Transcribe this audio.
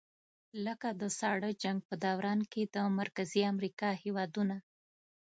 لکه د ساړه جنګ په دوران کې د مرکزي امریکا هېوادونه.